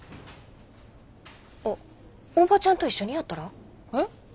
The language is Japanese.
あっおばちゃんと一緒にやったら？えっ？